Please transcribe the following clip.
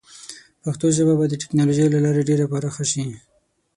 پښتو ژبه به د ټیکنالوجۍ له لارې ډېره پراخه شي.